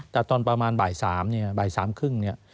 แต่ตอนประมาณบ่ายสามบ่ายสามครึ่งเนี่ย